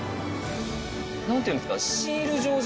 何て言うんですか。